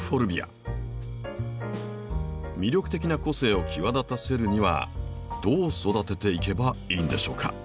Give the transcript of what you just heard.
魅力的な個性を際立たせるにはどう育てていけばいいんでしょうか。